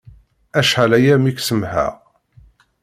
Acḥal-aya mi k-semḥeɣ.